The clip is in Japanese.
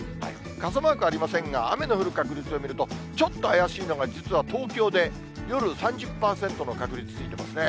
傘マークありませんが、雨の降る確率を見ると、ちょっと怪しいのが、実は東京で、夜３０％の確率、ついてますね。